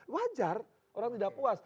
wajar orang tidak puas